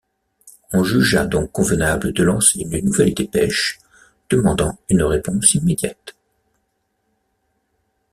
On jugea donc convenable de lancer une nouvelle dépêche, demandant une réponse immédiate